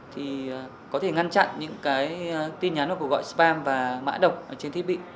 thì có thể ngăn chặn những cái tin nhắn hoặc gọi spam và mã độc ở trên thiết bị